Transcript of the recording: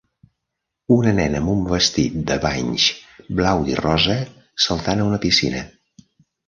Una nena amb un vestit de banys blau i rosa saltant a una piscina.